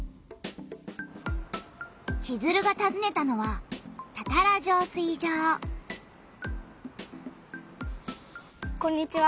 チズルがたずねたのはこんにちは。